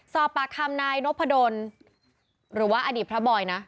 สอบปากคำนายนพดลหรือว่าอดีตพระบอยนะ